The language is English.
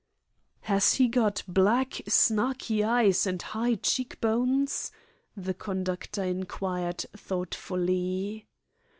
"Has he got black, snaky eyes and high cheek bones?" the conductor inquired thoughtfully.